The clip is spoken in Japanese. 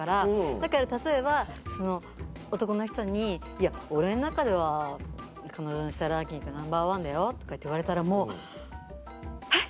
だから例えば男の人に「いや俺の中では彼女にしたいランキングナンバー１だよ」とかって言われたらもう「えっ！」